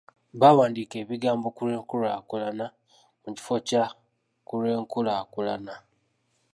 Baawandiika ebigambo "kulw’enkulakulana" mu kifo kya “ku lw’enkulaakulana.”